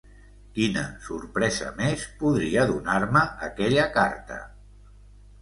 Quina sorpresa més podria donar-me aquella carta...